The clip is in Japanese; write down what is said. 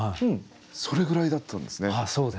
それぐらいだったんですね。